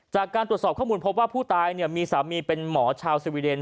จากการตรวจสอบข้อมูลพบว่าผู้ตายมีสามีเป็นหมอชาวสวีเดน